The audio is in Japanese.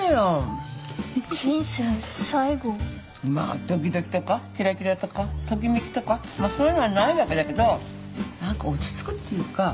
まあドキドキとかきらきらとかときめきとかそういうのはないわけだけど何か落ち着くっていうか楽な感じあるでしょ。